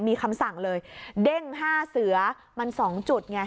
มีคำสั่งเลยเด้ง๕เสือมัน๒จุดไง